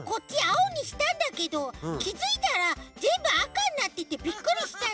おにしたんだけどきづいたらぜんぶあかになっててびっくりしたの。